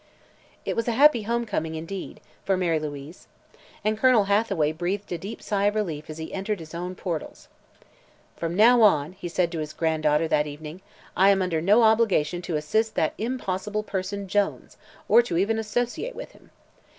It was a happy homecoming, indeed, for Mary Louise. And Colonel Hathaway breathed a deep sigh of relief as he entered his own portals. "From now on," he said to his granddaughter that evening, "I am under no obligation to assist that impossible person, Jones, or to even associate with him.